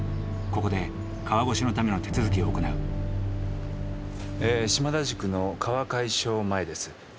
ここで川越しのための手続きを行うえ島田宿の川会所前です。